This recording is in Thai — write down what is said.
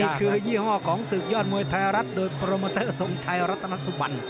นี่คือยี่ห้อของศึกยอดมวยไทยรัฐโดยโปรโมเตอร์ทรงชัยรัตนสุบัน